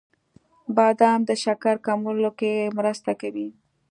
• بادام د شکر کمولو کې مرسته کوي.